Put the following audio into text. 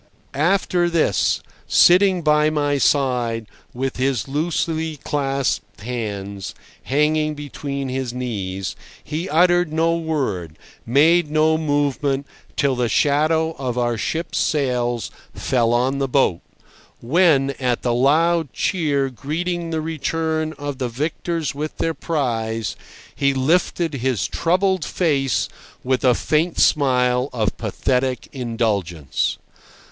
After this, sitting by my side with his loosely clasped hands hanging between his knees, he uttered no word, made no movement till the shadow of our ship's sails fell on the boat, when, at the loud cheer greeting the return of the victors with their prize, he lifted up his troubled face with a faint smile of pathetic indulgence.